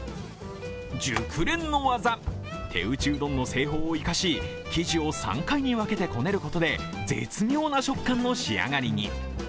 熟練の技、手打ちうどんの製法を生かし、生地を３回に分けてこねることで絶妙な食感の仕上がりに。